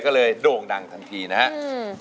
ก็เลยโด่งดังทันทีนะครับ